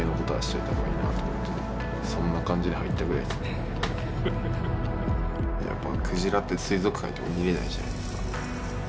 やっぱ鯨って水族館行っても見れないじゃないですか。